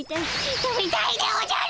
食べたいでおじゃる！